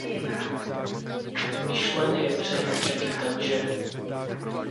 Myšlen je břeh řeky Temže.